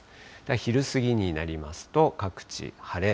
昼過ぎになりますと各地晴れ。